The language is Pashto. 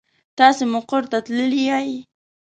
تاسې مقر ته تللي يئ.